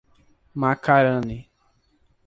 Macarani